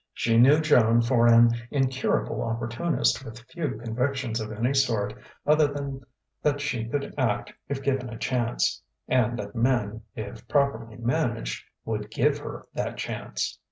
She knew Joan for an incurable opportunist with few convictions of any sort other than that she could act if given a chance, and that men, if properly managed, would give her that chance.